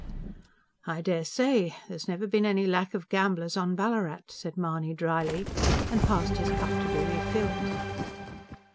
"I dare say. There's never been any lack of gamblers on Ballarat," said Mahony dryly, and passed his cup to be refilled.